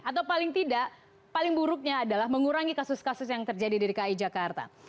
atau paling tidak paling buruknya adalah mengurangi kasus kasus yang terjadi di dki jakarta